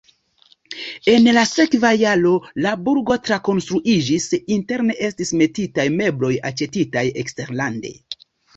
En la sekva jaro la burgo trakonstruiĝis, interne estis metitaj mebloj aĉetitaj eksterlande.